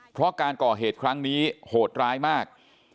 เพราะการก่อเหตุครั้งนี้โหดร้ายมาก